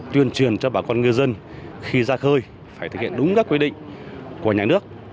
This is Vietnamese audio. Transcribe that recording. tuyên truyền cho bà con ngư dân khi ra khơi phải thực hiện đúng các quy định của nhà nước